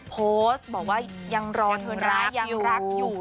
โพสต์บอกว่ายังรองรักอยู่